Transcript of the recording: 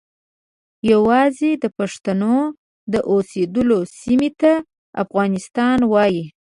یوازې د پښتنو د اوسیدلو سیمې ته افغانستان وایي.